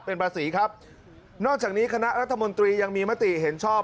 เป็นภาษีครับนอกจากนี้คณะรัฐมนตรียังมีมติเห็นชอบ